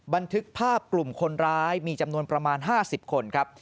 บันทึกภาพกลุ่มคนร้ายมีจำนวนประมาณ๕๐คนครับ